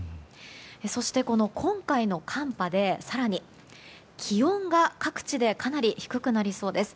そして、今回の寒波で更に気温が各地でかなり低くなりそうです。